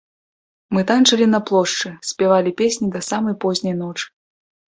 Мы танчылі на плошчы, спявалі песні да самай позняй ночы.